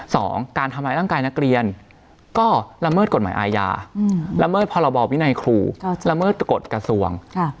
การทำร้ายร่างกายนักเรียนก็ละเมิดกฎหมายอาญาละเมิดพรบวินัยครูละเมิดกฎกระทรวง